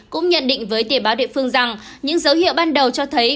cũng nhận định với tề báo địa phương rằng những dấu hiệu ban đầu cho thấy